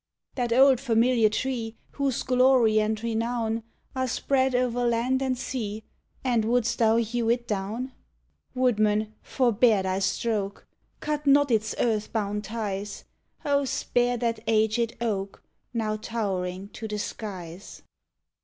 That old familiar tree, Whose glory and renown Are spread o'er laud and sea, Aud won Ids t thou hew it down? Woodman, forbear thy stroke! Cut not its earth bound ties; O, spare that aged oak, Now towering to the skies!